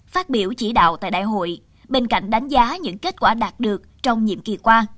phát biểu chỉ đạo tại đại hội bên cạnh đánh giá những kết quả đạt được trong nhiệm kỳ qua